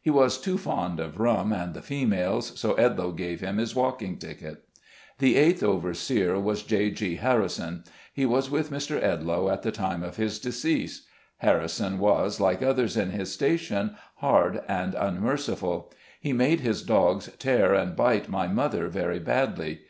He was too fond of rum and the females, so Edloe gave him his walking ticket. The eighth overseer was J. G. Harrison. He was with Mr. Edloe at. the time of his decease. Harri son was, like others in his station, hard and unmer ciful. He made his dogs tear and bite my mother very badly.